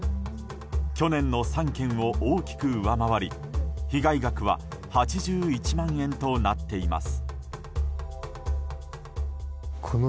去年の３件を大きく上回り被害額は８１万円となっています。